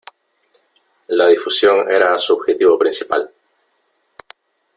La difusión era su objetivo principal.